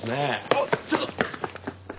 あっちょっと！